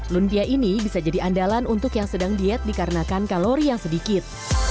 lumpia ini bisa jadi andalan untuk yang sedang diet dikarenakan kalori yang sedikit